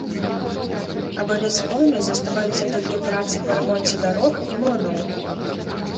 Абавязковымі заставаліся толькі працы па рамонце дарог і млыноў.